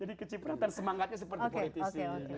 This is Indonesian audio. jadi kecipratan semangatnya seperti politisi